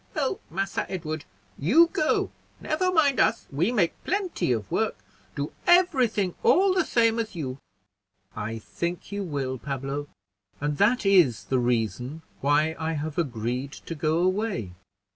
"Well, Massa Edward, you go; never mind us, we make plenty of work; do every thing all the same as you." "I think you will, Pablo, and that is the reason why I have agreed to go away.